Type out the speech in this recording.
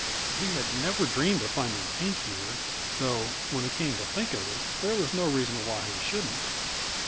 He had never dreamed of finding Pink here; though, when he came to think of it there was no reason why he shouldn't.